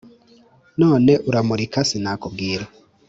none uramurika sinakubwira”